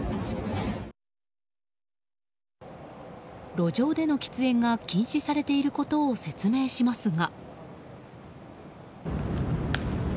路上での喫煙が禁止されていることを説明しますが。